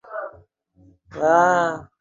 Salimia dada yake